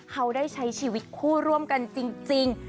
เขาได้ใช้ชีวิตคู่ร่วมกันจริง